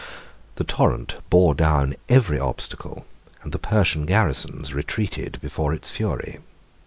The torrent bore down every obstacle, and the Persian garrisons retreated before its fury.